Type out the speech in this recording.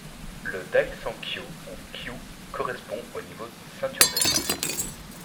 Le Dai-sankyo ou Kyū correspond au niveau ceinture verte.